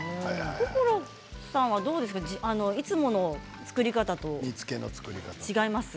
心さんはいつもの作り方と違います？